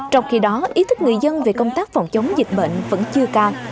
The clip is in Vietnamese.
trong khi đó ý thức người dân về công tác phòng chống dịch bệnh vẫn chưa cao